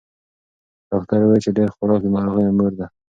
ډاکتر ویل چې ډېر خوراک د ناروغیو مور ده.